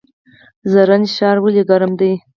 زرنج ښار ولې ګرم دی؟